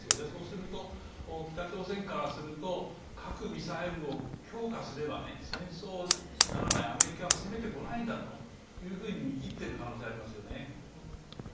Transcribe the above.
そうすると、北朝鮮からすると核・ミサイルを強化すれば、戦争にならない、アメリカは攻めてこないんだと見切ってる可能性はありますよね。